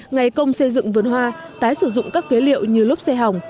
ngày công xây dựng vườn hoa tái sử dụng các phế liệu như lốp xe hỏng